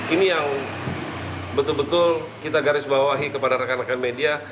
ini yang betul betul kita garis bawahi kepada rekan rekan media